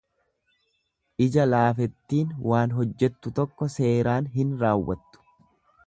Ija laafettiin waan hojjettu tokko seeraan hin raawwattu.